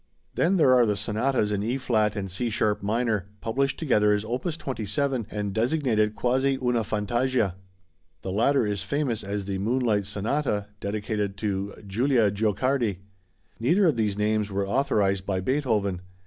Then there are the sonatas in E flat and C sharp minor, published together as opus 27, and designated Quasi una Fantasia. The latter is famous as the "Moonlight" sonata, dedicated to Julia Guicciardi. Neither of these names were authorized by Beethoven.